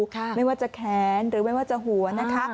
ไม่ว่าจะแขนหรือไม่ว่าจะหัวนะคะ